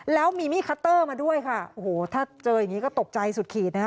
แล้วมีมีดคัตเตอร์มาด้วยค่ะโอ้โหถ้าเจออย่างนี้ก็ตกใจสุดขีดนะคะ